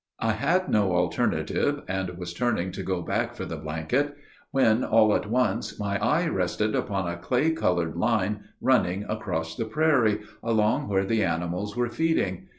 I had no alternative; and was turning to go back for the blanket; when, all at once, my eye rested upon a clay colored line, running across the prairie, beyond where the animals were feeding.